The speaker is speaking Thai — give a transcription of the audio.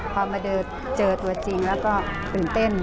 พอมาเจอตัวจริงแล้วก็ตื่นเต้น